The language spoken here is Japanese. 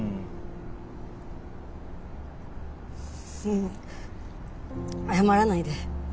ううん謝らないで。